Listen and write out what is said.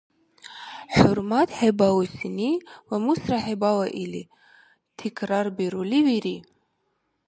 ХӀурмат хӀебалусини ламусра хӀебала или, тикрарбирули вири.